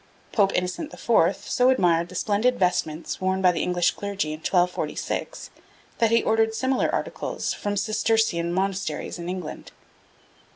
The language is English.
Pope Innocent IV. so admired the splendid vestments worn by the English clergy in 1246, that he ordered similar articles from Cistercian monasteries in England.